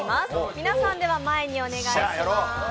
皆さん、前にお願いします。